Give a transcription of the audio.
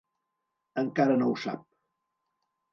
Encara no ho sap.